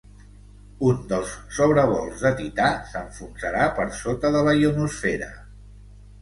Un dels sobrevols de Tità s'enfonsarà per sota de la ionosfera.